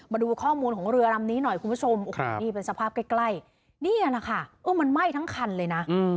มาดูข้อมูลของเรือลำนี้หน่อยคุณผู้ชมนี่เป็นสภาพใกล้นี่แหละค่ะมันไหม้ทั้งคันเลยนะ